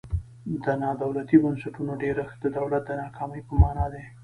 د نا دولتي بنسټونو ډیرښت د دولت د ناکامۍ په مانا دی.